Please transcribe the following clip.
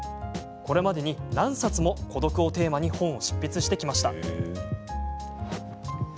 これまでに何冊も孤独をテーマに本を執筆してきました。